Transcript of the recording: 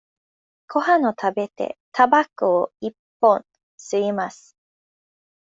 ごはんを食べて、たばこを一本吸います。